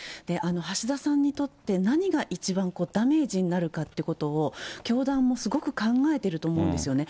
橋田さんにとって、何が一番ダメージになるかっていうことを、教団もすごく考えてると思うんですよね。